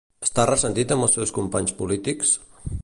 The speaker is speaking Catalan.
Està ressentit amb els seus companys polítics?